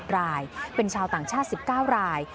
รายเป็นชาวต่างชาติ๑๙ราย